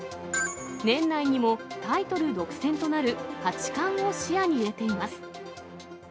年内にもタイトル独占となる八冠を視野に入れています。